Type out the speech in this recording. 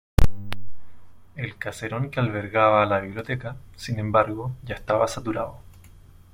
El caserón que albergaba la biblioteca, sin embargo, ya estaba saturado.